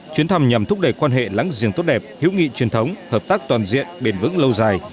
chuyến thăm nhằm thúc đẩy quan hệ láng giềng tốt đẹp hữu nghị truyền thống hợp tác toàn diện bền vững lâu dài